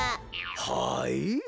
はい？